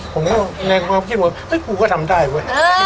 ผมก็ก็คิดว่าเอ้ยกูก็ทำได้้เว้ยเอ้อ